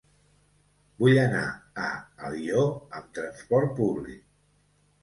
Vull anar a Alió amb trasport públic.